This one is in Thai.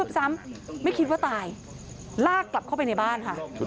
สุดท้ายคือตาย